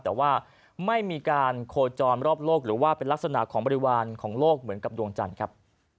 แต่ว่าไม่มีการโคจรรอบโลกหรือว่าเป็นลักษณะของบริวารของโลกเหมือนกับดวงจันทร์ครับ